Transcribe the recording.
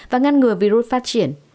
và ngăn ngừa virus phát triển